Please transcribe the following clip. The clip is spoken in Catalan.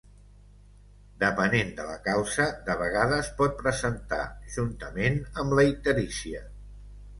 Depenent de la causa, de vegades pot presentar juntament amb la icterícia.